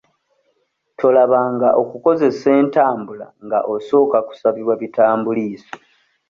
Tolaba nga okukozesa entambula nga osooka kusabibwa bitambuliiso.